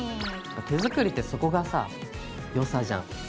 手作りってそこがさよさじゃん。